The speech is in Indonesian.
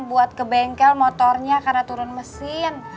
buat ke bengkel motornya karena turun mesin